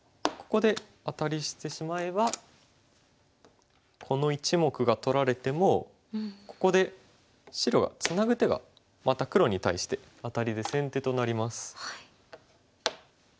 ここでアタリしてしまえばこの１目が取られてもここで白はツナぐ手がまた黒に対してアタリで先手となります。